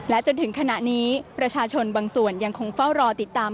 จนถึงขณะนี้ประชาชนบางส่วนยังคงเฝ้ารอติดตาม